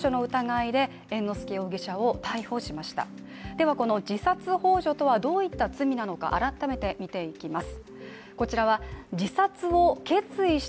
ではこの自殺ほう助とはどういった罪なのか改めて見ていきます。